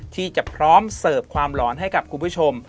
ที่จะพร้อมเสิร์ฟความหลอนให้กับคุณผู้ชม